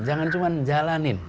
jangan cuma jalanin